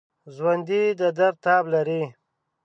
ژوندي د درد تاب لري